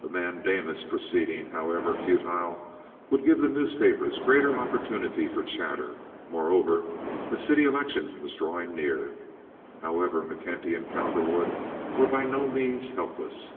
A mandamus proceeding, however futile, would give the newspapers great opportunity for chatter; moreover, a city election was drawing near. However, McKenty and Cowperwood were by no means helpless.